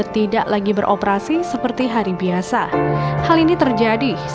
tidak lagi beroperasi